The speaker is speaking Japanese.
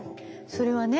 それはね